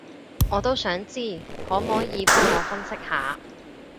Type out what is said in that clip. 我都想知，可摸耳幫我分析下